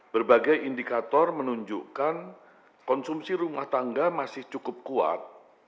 berbagai indikator menunjukkan konsumsi rumah tangga masih cukup kuat